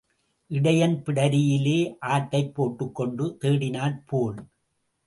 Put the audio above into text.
இடையன் பிடரியிலே ஆட்டைப் போட்டுக்கொண்டு தேடினாற் போல்.